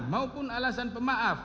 maupun alasan pemaaf